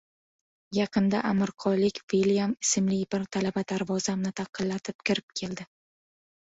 Yaqinda Amirqolik Vilyam ismli bir talaba darvozamni taqillatib, kirib keldi.